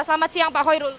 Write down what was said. selamat siang pak hoirul